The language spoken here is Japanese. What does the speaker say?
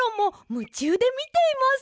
むちゅうでみています！